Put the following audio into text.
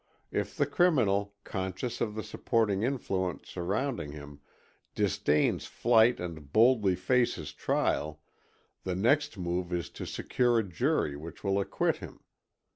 If the criminal, conscious of the supporting influence surrounding him, disdains flight and boldly faces trial, the next move is to secure a jury which will acquit him.